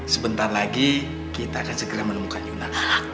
sebentar lagi kita akan segera menemukan yuna